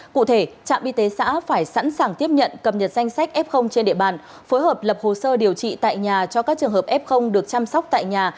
cụ thể trạm y tế xã phải sẵn sàng tiếp nhận cập nhật danh sách f trên địa bàn phối hợp lập hồ sơ điều trị tại nhà cho các trường hợp f được chăm sóc tại nhà